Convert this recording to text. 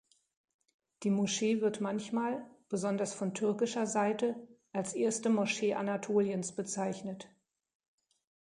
Die Moschee wird manchmal, besonders von türkischer Seite, als erste Moschee Anatoliens bezeichnet.